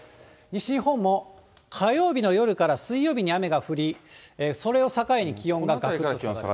西日本も、火曜日の夜から水曜日に雨が降り、それを境に気温ががくっときます。